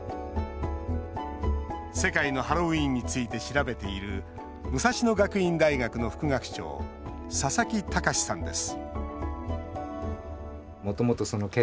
世界のハロウィーンについて調べている武蔵野学院大学の副学長佐々木隆さんです